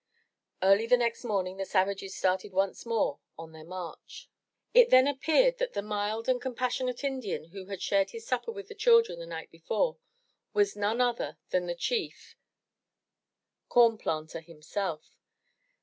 Early the next morning the savages started once more on their march. It then appeared that the mild and compassionate Indian who had shared his supper with the children the night 369 MY BOOK HOUSE before, was none other than the chief, Corn Planter himself.